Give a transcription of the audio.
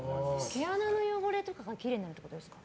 毛穴の汚れとかがきれいになるってことですか？